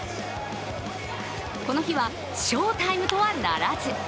この日は翔タイムとはならず。